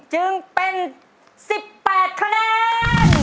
จึงเป็น๑๘คะแนน